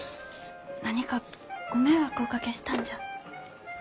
何かご迷惑おかけしたんじゃ。